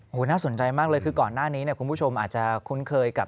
โอ้โหน่าสนใจมากเลยคือก่อนหน้านี้เนี่ยคุณผู้ชมอาจจะคุ้นเคยกับ